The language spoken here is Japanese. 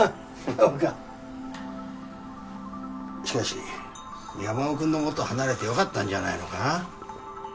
そうかしかし山尾君のもとを離れてよかったんじゃないのか？